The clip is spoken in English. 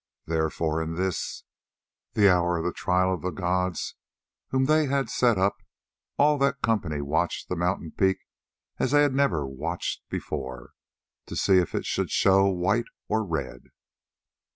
Therefore in this, the hour of the trial of the gods whom they had set up, all that company watched the mountain peak as they had never watched before, to see if it should show white or red.